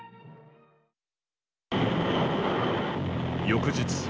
翌日。